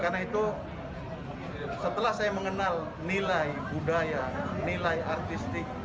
karena itu setelah saya mengenal nilai budaya nilai artistik